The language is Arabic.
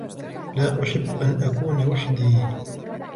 لا أحب أن أكون وحدي.